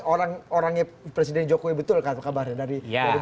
orangnya presiden jokowi betul kabarnya